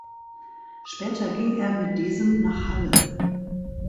Später ging er mit diesem nach Halle.